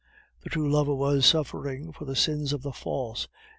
The true lover was suffering for the sins of the false.